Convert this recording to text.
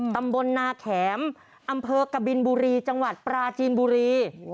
ตำบลนาแข็มอำเภอกบินบุรีจังหวัดปราจีนบุรี